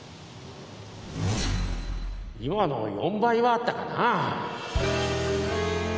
今の４倍はあったかなぁ。